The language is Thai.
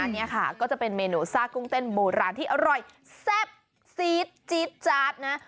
อันนี้ค่ะก็จะเป็นเมนูซ่ากุ้งเต้นโบราณที่อร่อยแซ่บซีดจี๊ดจาดนะ